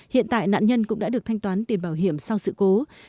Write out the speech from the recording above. hiện tại nạn nhân cũng đã được thanh toán tiền bảo hiểm sau sự cố